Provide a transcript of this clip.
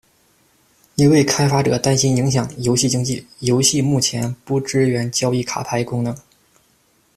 因为开发者担心影响游戏经济，游戏目前不支援交易卡牌功能。